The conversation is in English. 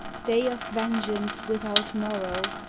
Day of vengeance, without morrow!